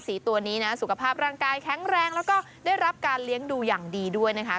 ตัวนี้นะสุขภาพร่างกายแข็งแรงแล้วก็ได้รับการเลี้ยงดูอย่างดีด้วยนะคะ